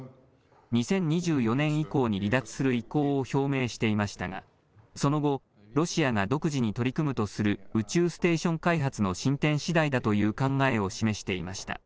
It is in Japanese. ２０２４年以降に離脱する意向を表明していましたが、その後ロシアが独自に取り組むとする宇宙ステーション開発の進展しだいだという考えを示していました。